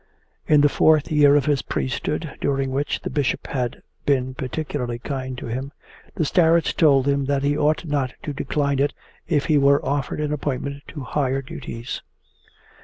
In the fourth year of his priesthood, during which the Bishop had been particularly kind to him, the starets told him that he ought not to decline it if he were offered an appointment to higher duties.